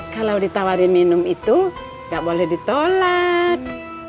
kalau ditawarin minum itu nggak boleh ditolak